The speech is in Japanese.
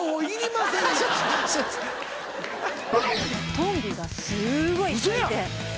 トンビがすごいいっぱいいて。